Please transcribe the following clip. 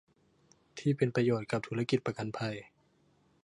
ที่เป็นประโยชน์กับธุรกิจประกันภัย